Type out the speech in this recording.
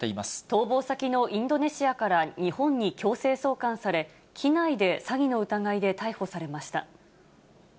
逃亡先のインドネシアから日本に強制送還され、機内で詐欺の疑いで逮捕されました。